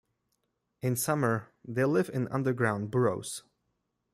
In summer, they live in underground burrows.